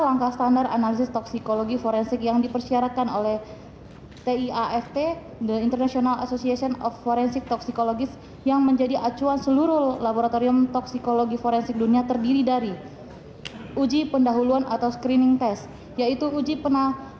dan di atas diselampirkan secara detail pada pemeriksaan ilmu hukum